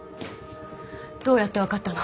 どうやって分かったの？